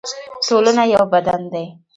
ټولنه یو بدن دی